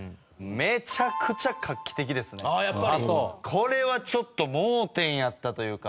これはちょっと盲点やったというか。